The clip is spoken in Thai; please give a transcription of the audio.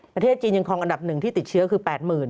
ประเทศจีนยังคลองอันดับ๑ที่ติดเชื้อคือ๘๐๐๐